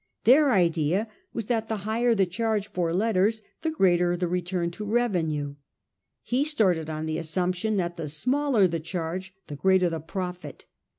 Their idea was that the higher the charge for letters the greater the return to the revenue. He started on the assumption that the smaller the charge the greater the profit.